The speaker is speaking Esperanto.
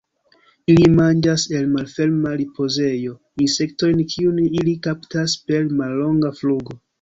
Ili manĝas el malferma ripozejo insektojn kiujn ili kaptas per mallonga flugo.